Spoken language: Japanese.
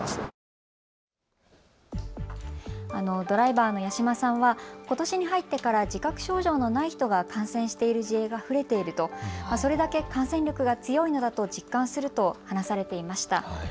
ドライバーの八島さんはことしに入ってから自覚症状のない人が感染している事例が増えていると、それだけ感染力が強いのだと実感すると話されていました。